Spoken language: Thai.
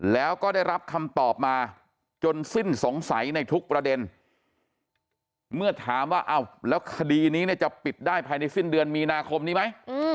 แล้วก็ได้รับคำตอบมาจนสิ้นสงสัยในทุกประเด็นเมื่อถามว่าแล้วคดีนี้เนี่ยจะปิดได้ภายในสิ้นเดือนมีนาคมนี้ไหม